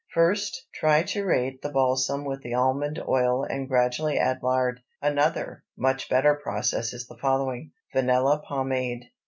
First triturate the balsam with the almond oil and gradually add the lard. Another, much better process is the following: VANILLA POMADE.